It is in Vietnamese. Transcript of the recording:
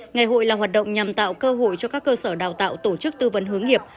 ngày hội là hoạt động nhằm tạo cơ hội cho các cơ sở đào tạo tổ chức tư vấn hướng nghiệp